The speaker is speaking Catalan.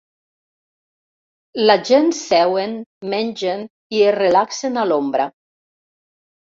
La gent seuen, mengen i es relaxen a l'ombra.